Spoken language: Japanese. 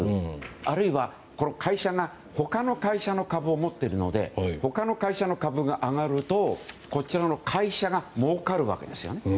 あるいは、会社が他の会社の株を持っているので他の会社の株が上がるとこちらの会社がもうかるわけですよね。